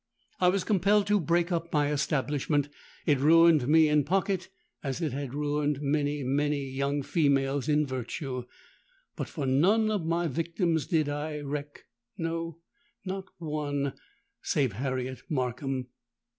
I was compelled to break up my establishment: it ruined me in pocket, as it had ruined many, many young females in virtue. But for none of my victims did I reck—no, not one, save Harriet Markham.